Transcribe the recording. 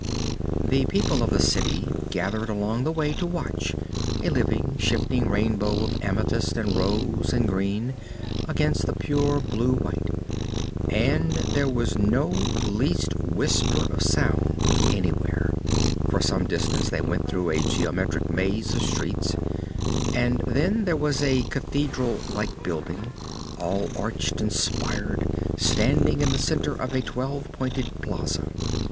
The people of the city gathered along the way to watch, a living, shifting rainbow of amethyst and rose and green, against the pure blue white. And there was no least whisper of sound anywhere. For some distance they went through a geometric maze of streets. And then there was a cathedral like building all arched and spired, standing in the center of a twelve pointed plaza.